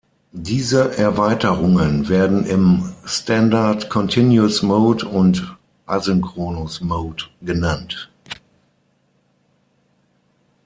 Diese Erweiterungen werden im Standard Continuous Mode und Asynchronous Mode genannt.